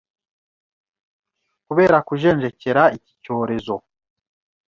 kubera kujenjekera iki cyorezo,